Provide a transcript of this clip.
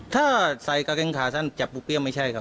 ถ้าใส่กางเกงขาสั้นจับปูเปรี้ยไม่ใช่ครับ